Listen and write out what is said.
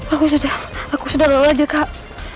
aku sudah aku sudah lalu aja kak